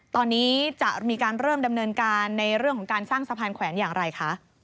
ตอนนี้จะมีการเริ่มดำเนินการในเรื่องของการสร้างสะพานแขวนอย่างไรคะ